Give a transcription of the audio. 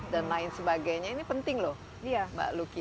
dan lain sebagainya ini penting loh mbak lucky